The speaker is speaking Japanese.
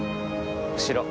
後ろ。